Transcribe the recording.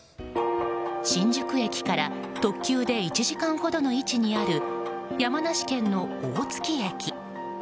新宿駅から特急で１時間ほどの位置にある山梨県の大月駅。